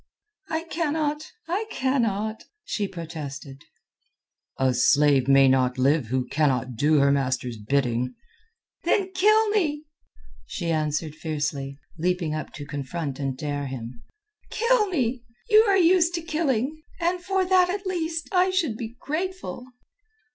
"I cannot! I cannot!" she protested. "A slave may not live who cannot do her master's bidding." "Then kill me," she answered fiercely, leaping up to confront and dare him. "Kill me. You are used to killing, and for that at least I should be grateful."